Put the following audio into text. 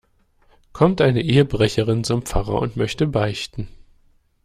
Kommt eine Ehebrecherin zum Pfarrer und möchte beichten.